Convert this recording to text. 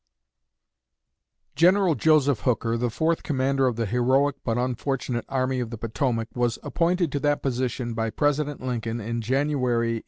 General Joseph Hooker, the fourth commander of the heroic but unfortunate Army of the Potomac, was appointed to that position by President Lincoln in January, 1863.